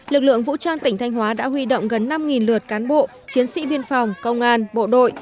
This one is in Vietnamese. lực lượng vũ trang tỉnh thanh hóa đã huy động gần năm lượt cán bộ chiến sĩ biên phòng công an bộ đội